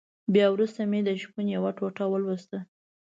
بيا وروسته مې د شپون يوه ټوټه ولوستله.